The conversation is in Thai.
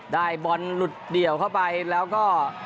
ได้บอลหลุดเดี่ยวเข้าไปแล้วก็